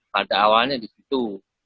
pada awalnya di situ